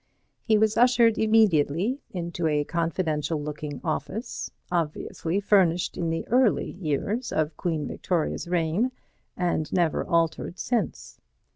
He was ushered immediately into a confidential looking office, obviously furnished in the early years of Queen Victoria's reign, and never altered since.